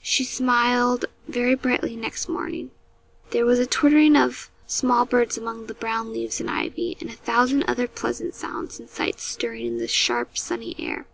She smiled very brightly next morning. There was a twittering of small birds among the brown leaves and ivy, and a thousand other pleasant sounds and sights stirring in the sharp, sunny air.